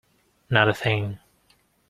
Not a thing.